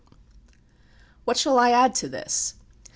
What shall I add to this?